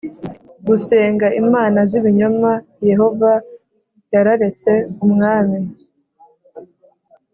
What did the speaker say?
gusenga imana z ibinyoma Yehova yararetse umwami